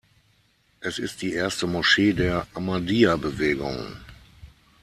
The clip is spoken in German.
Es ist die erste Moschee der Ahmadiyya-Bewegung.